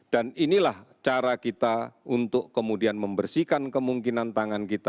dan inilah cara kita untuk kemudian membersihkan tangan